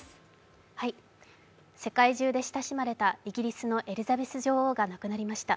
世界中で親しまれたイギリスのエリザベス女王が亡くなりました。